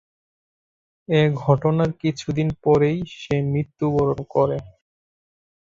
এ ঘটনার কিছুদিন পরেই সে মৃত্যুবরণ করে।